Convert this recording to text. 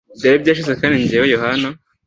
byari byashize Kandi jyewe Yohana